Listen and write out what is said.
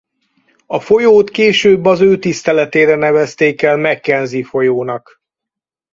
A folyót később az ő tiszteletére nevezték el Mackenzie-folyónak.